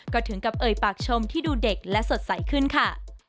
ก็ถึงกับเอ่ยปากชมที่ดูเด็กและสดใสขึ้นค่ะ